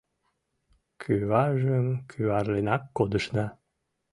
Кӱваржым кӱварленак кодышна.